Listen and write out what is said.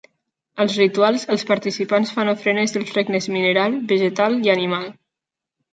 Als rituals, els participants fan ofrenes dels regnes mineral, vegetal i animal.